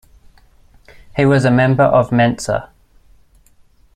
He was a member of Mensa.